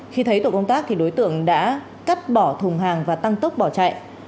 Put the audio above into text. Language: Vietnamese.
khi thấy tổ công tác thì đối tượng đã cắt bỏ thùng hàng và tăng tốc bỏ chạy